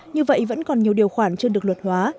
như vậy vẫn còn nhiều điều khoản chưa được luật hóa